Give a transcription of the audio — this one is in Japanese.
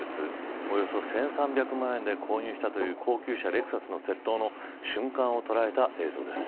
およそ１３００万円で購入したという高級車レクサスの窃盗の瞬間を捉えた映像です。